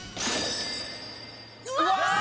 うわ！